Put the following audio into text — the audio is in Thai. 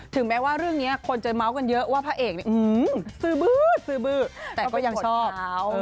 ถึงแม้ว่าเรื่องนี้คนจะเมาส์กันเยอะว่าพระเอกซื้อบื้อแต่ก็ยังชอบ